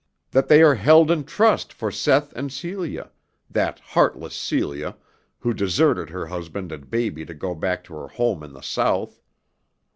That they are held in trust for Seth and Celia, that heartless Celia, who deserted her husband and baby to go back to her home in the South.